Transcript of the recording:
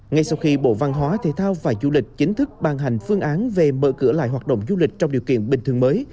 ngay sau khi bộ văn hóa thể thao và du lịch chính thức ban hành phương án về mở cửa lại hoạt động du lịch trong điều kiện bình thường mới